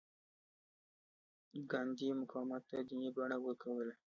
ګاندي مقاومت ته دیني بڼه ورکوله.